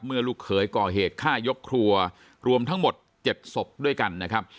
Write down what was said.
ลูกเขยก่อเหตุฆ่ายกครัวรวมทั้งหมด๗ศพด้วยกันนะครับ